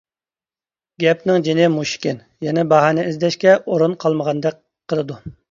گەپنىڭ جېنى مۇشۇكەن، يەنە باھانە ئىزدەشكە ئورۇن قالمىغاندەك قىلىدۇ.